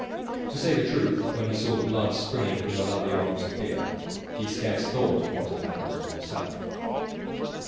To say the truth, when he saw the blood springing from the lovely arm of Sophia, he scarce thought of what had happened to himself.